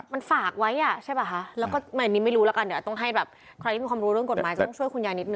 มันฝากไว้อะใช่ป่ะแล้วก็หนิไม่รู้ละกันเดี๋ยวต้องให้แบบใครมีความรู้เรื่องกลไมนต้องช่วยคุณยานิดนึง